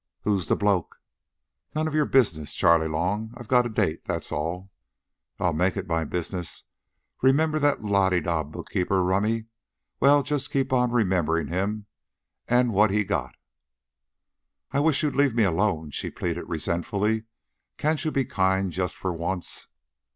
"Who's the bloke?" "None of your business, Charley Long. I've got a date, that's all." "I'll make it my business. Remember that lah de dah bookkeeper rummy? Well, just keep on rememberin' him an' what he got." "I wish you'd leave me alone," she pleaded resentfully. "Can't you be kind just for once?"